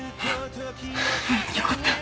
よかった。